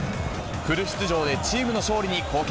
フル出場でチームの勝利に貢献。